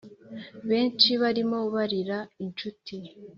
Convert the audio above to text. benshi barimo barira inshuti